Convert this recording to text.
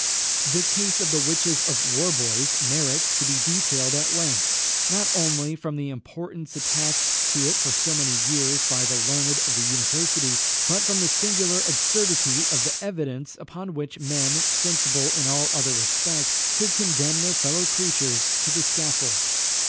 The case of the witches of Warbois merits to be detailed at length, not only from the importance attached to it for so many years by the learned of the University, but from the singular absurdity of the evidence upon which men, sensible in all other respects, could condemn their fellow creatures to the scaffold.